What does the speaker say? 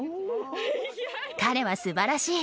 彼は素晴らしい。